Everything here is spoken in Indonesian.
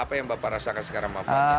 apa yang bapak rasakan sekarang bapak